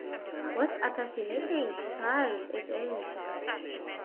What a fascinating child it is!